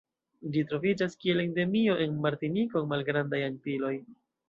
Ĝi troviĝas kiel endemio en Martiniko en Malgrandaj Antiloj.